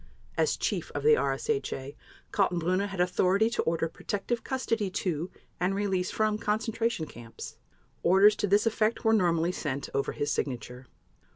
As Chief of the RSHA, Kaltenbrunner had authority to order protective custody to and release from concentration camps. Orders to this effect were normally sent over his signature.